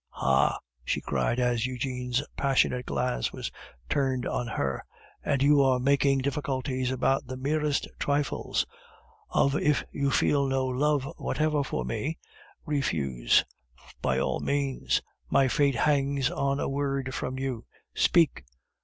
Ah!" she cried, as Eugene's passionate glance was turned on her, "and you are making difficulties about the merest trifles. Of, if you feel no love whatever for me, refuse, by all means. My fate hangs on a word from you. Speak!